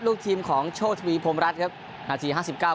ลูกทีมของโชคทวีพรมรัฐครับนาทีห้าสิบเก้า